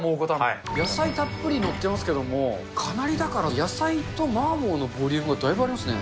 野菜たっぷり載ってますけども、かなりだから野菜と麻婆のボリューム、だいぶありますね。